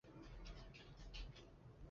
长江粘体虫为粘体科粘体虫属的动物。